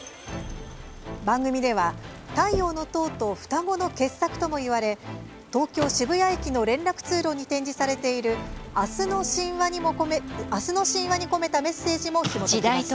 番組では、「太陽の塔」と双子の傑作ともいわれ東京・渋谷駅の連絡通路に展示されている「明日の神話」に込めたメッセージも、ひもときます。